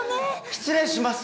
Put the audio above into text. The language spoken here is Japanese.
失礼します。